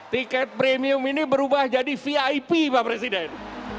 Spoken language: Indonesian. tiket premium ini berubah jadi vip pak presiden